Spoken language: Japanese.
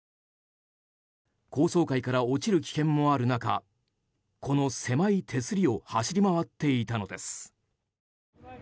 高層階から落ちる危険もある中この狭い手すりを走り回っていたのです。